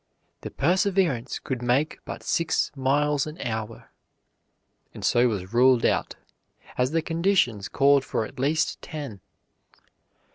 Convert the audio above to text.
The "Perseverance" could make but six miles an hour, and so was ruled out, as the conditions called for at least ten.